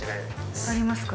わかりますか？